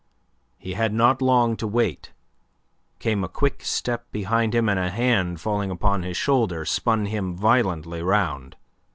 He had not long to wait. Came a quick step behind him, and a hand falling upon his shoulder, spun him violently round.